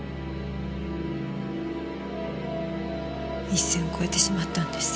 一線を越えてしまったんです。